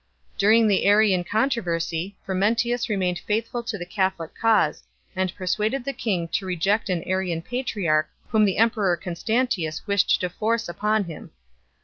During the Arian controversy Frumentius remained faithful to the Catholic cause, and persuaded the king to reject an Arian patriarch whom the emperor Constantius wished to force upon him.